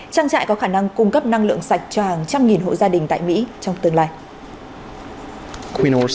trang trại có khả năng cung cấp năng lượng sạch cho hàng trăm nghìn hộ gia đình tại mỹ trong tương lai